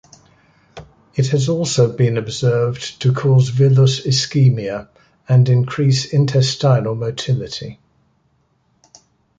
It has also been observed to cause villus ischemia, and increase intestinal motility.